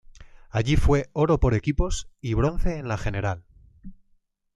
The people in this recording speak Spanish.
Allí fue oro por equipos y bronce en la general.